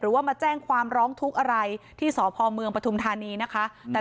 ว่ามาแจ้งความร้องทุกข์อะไรที่สพเมืองปฐุมธานีนะคะ